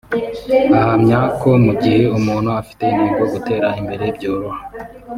ahamya ko mu gihe umuntu afite intego gutera imbere byoroha